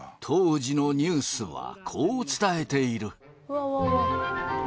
当時のニュースはこう伝えている。